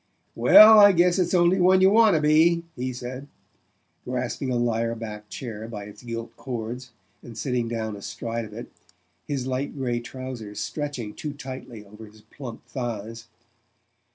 "Well, I guess it's only when you want to be," he said, grasping a lyre backed chair by its gilt cords, and sitting down astride of it, his light grey trousers stretching too tightly over his plump thighs.